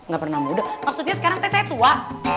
gapernah muda maksudnya sekarang teh saya tua